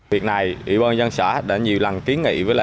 việc này ủy ban dân xã đã nhiều lần kiến nghị với lại